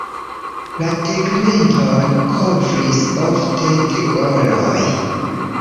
La tegmenton kovris ofte tegoloj.